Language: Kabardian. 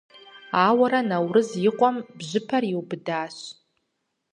Ауэрэ Наурыз и къуэм бжьыпэр иубыдащ.